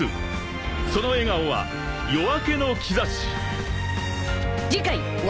［その笑顔は夜明けの兆し］